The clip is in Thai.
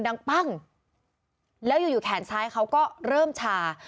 ดังปั้งแล้วอยู่อยู่แขนซ้ายเขาก็เริ่มชา